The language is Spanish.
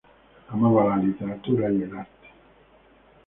Amaba la literatura y el arte.